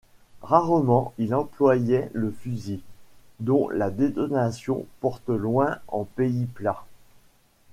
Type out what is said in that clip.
Rarement il employait le fusil, dont la détonation porte loin en pays plat.